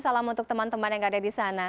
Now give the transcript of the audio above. salam untuk teman teman yang ada di sana